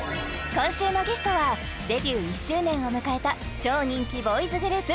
今週のゲストはデビュー１周年を迎えた超人気ボーイズグループ